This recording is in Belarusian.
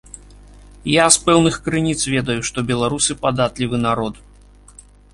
Я з пэўных крыніц ведаю, што беларусы падатлівы народ.